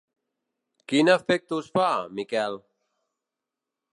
-Quin efecte us fa, Miquel?